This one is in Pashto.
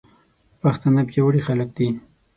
پښتانه پياوړي خلک دي.